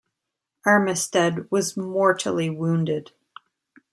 Armistead was mortally wounded.